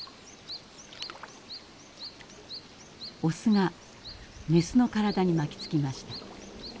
オスがメスの体に巻きつきました。